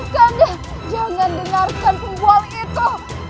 kanda jangan dengarkan pembual itu